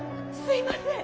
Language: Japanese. すいません。